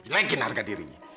jelekin harga dirinya